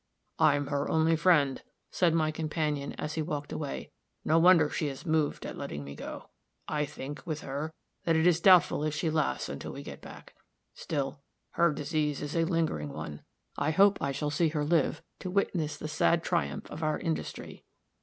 "I'm her only friend," said my companion, as he walked away. "No wonder she is moved at letting me go. I think, with her, that it is doubtful if she lasts until we get back. Still, her disease is a lingering one I hope I shall see her live to witness the sad triumph of our industry."